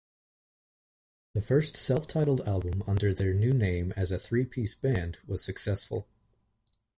The first self-titled album under their new name as a three-piece band was successful.